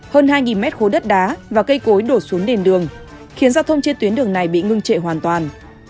hơn hai mét khối đất đá và cây cối đổ xuống nền đường khiến giao thông trên tuyến đường này bị ngưng trệ hoàn toàn